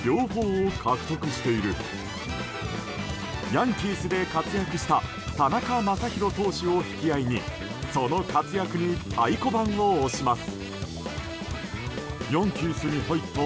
ヤンキースで活躍した田中将大投手を引き合いにその活躍に太鼓判を押します。